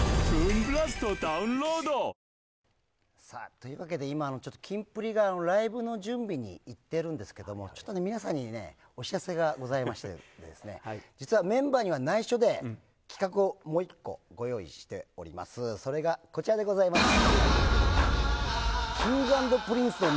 さあ、というわけで今、ちょっとキンプリがライブの準備に行ってるんですけども、ちょっと皆さんにね、お知らせがございましてですね、実はメンバーにはないしょで、企画をもう一個、ご用意しております。